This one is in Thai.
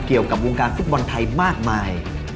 เกี่ยวกับวงการฟุตบอลไทยมากมาย